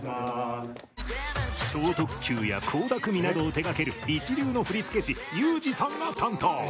超特急や倖田來未などを手掛ける一流の振付師Ｕ☆Ｇさんが担当。